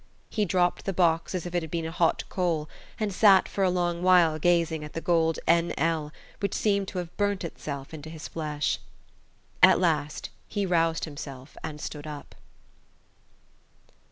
He dropped the box as if it had been a hot coal, and sat for a long while gazing at the gold N. L., which seemed to have burnt itself into his flesh. At last he roused himself and stood up.